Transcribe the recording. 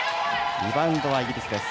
リバウンドはイギリスです。